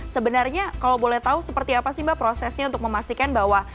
sebenarnya kalau boleh tahu seperti apa sih mbak prosesnya untuk memastikan bahwa